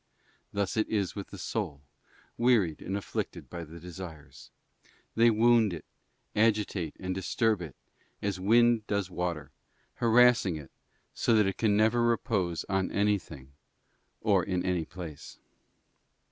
Thus is it with the soul, wearied and afflicted by the desires: they wound it, agitate and disturb it, as wind does water, harassing it, so that it can never repose on any thing, or in any place.